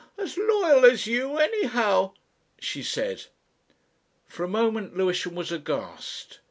as loyal as you ... anyhow," she said. For a moment Lewisham was aghast.